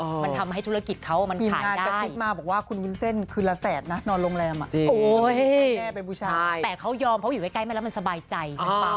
มันทำให้ธุรกิจเขามันขายได้